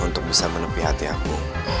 untuk bisa menepi hati aku